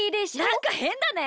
なんかへんだね。